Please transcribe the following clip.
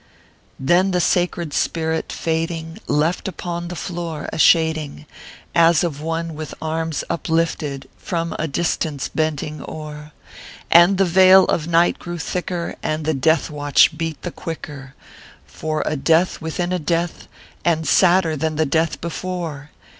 Then the sacred spirit, fading, left upon the floor a shading, As of one with arms uplifted, from a distance bending o er ; And the vail of night grew thicker, and the death watch beat the quicker For a death within a death, and sadder than the death before